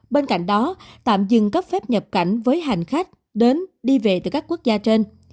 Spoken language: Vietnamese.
bên cạnh đó tạm dừng cấp phép nhập cảnh với hành khách đến đi về từ các quốc gia trên